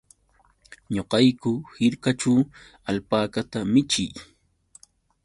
Ñuqayku hirkaćhu alpakata michii.